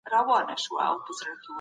سترګې له ډیرو کتلو څخه ستومانه کیږي.